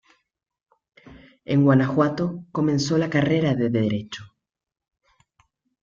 El Guanajuato comenzó la carrera de Derecho.